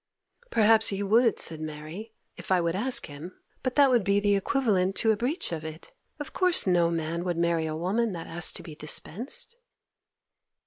'Perhaps he would,' said Mary, 'if I would ask him; but that would be equivalent to a breach of it. Of course no man would marry a woman that asked to be dispensed.